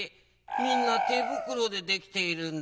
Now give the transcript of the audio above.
みんなてぶくろでできているんだ。